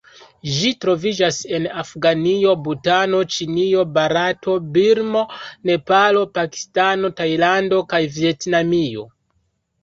Ĝi troviĝas en Afganio, Butano, Ĉinio, Barato, Birmo, Nepalo, Pakistano, Tajlando kaj Vjetnamio.